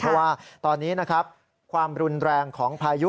เพราะว่าตอนนี้นะครับความรุนแรงของพายุ